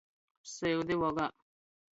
Syudi vogā.